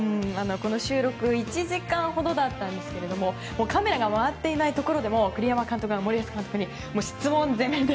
この収録１時間ほどだったんですがカメラが回っていないところでも栗山監督は森保監督に質問攻めで。